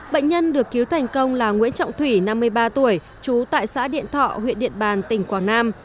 bệnh nhân được cứu thành công là nguyễn trọng thủy năm mươi ba tuổi trú tại xã điện thọ huyện điện bàn tỉnh quảng nam